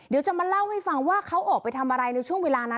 เดี๋ยวจะมาเล่าให้ฟังว่าเขาออกไปทำอะไรในช่วงเวลานั้น